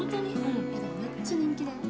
めっちゃ人気だよ